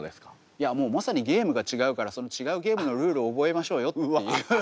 いやもうまさにゲームが違うからその違うゲームのルール覚えましょうよっていう。